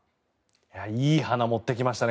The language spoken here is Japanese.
いい花を持ってきましたね